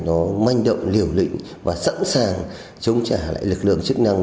nó manh động liều lĩnh và sẵn sàng chống trả lại lực lượng chức năng